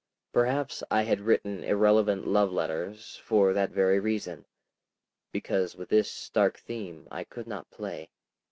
Perhaps I had written irrelevant love letters for that very reason; because with this stark theme I could not play.